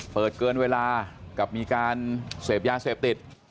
เปิดเกินเวลากับมีการเสพยาเสพติด